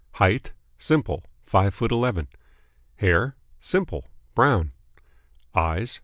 "Height?" Simple. Five foot eleven. "Hair?" Simple. Brown. "Eyes?"